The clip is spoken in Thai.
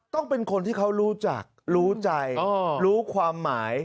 ต้องเป็นคนที่เขารู้จักรู้ใจรู้ความหมาย